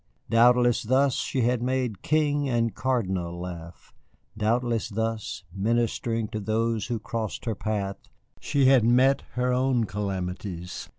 Doubtless thus she had made King and Cardinal laugh, doubtless thus, ministering to those who crossed her path, she had met her own calamities.